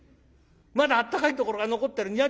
まだあったかいところが残ってる。